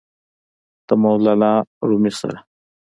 د مولانا رومي سره!!!